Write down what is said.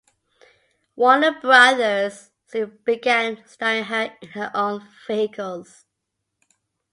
Warner Brothers soon began starring her in her own vehicles.